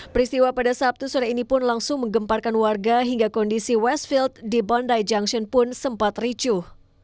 peristiwa pada sabtu sore ini pun langsung menggemparkan warga hingga kondisi westfield di bondai junction pun sempat ricuh